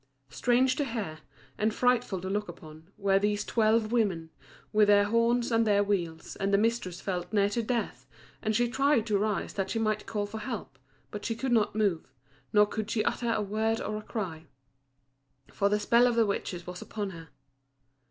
Strange to hear, and frightful to look upon, were these twelve women, with their horns and their wheels; and the mistress felt near to death, and she tried to rise that she might call for help, but she could not move, nor could she utter a word or a cry, for the spell of the witches was upon her.